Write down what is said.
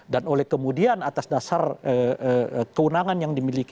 dan oleh kemudian atas dasar keunangan yang dimiliki